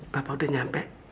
bapak sudah sampai